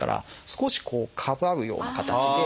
少しこうかばうような形で。